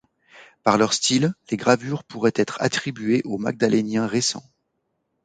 Par leur style, les gravures pourraient être attribuées au Magdalénien récent.